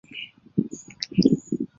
朱延嗣自称留后。